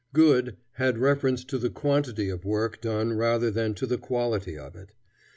"Good" had reference to the quantity of work done rather than to the quality of it.